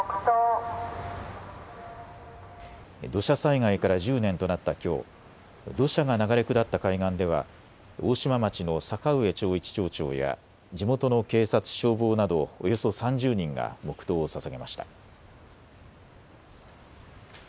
土砂災害から１０年となったきょう、土砂が流れ下った海岸では大島町の坂上長一町長や地元の警察、消防などおよそ３０人が黙とうをささげました。